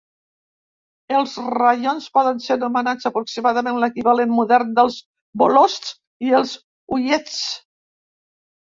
Els raions poden ser nomenats aproximadament l'equivalent modern dels vólosts i els uiezds.